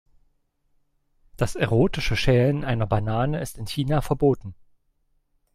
Das erotische Schälen einer Banane ist in China verboten.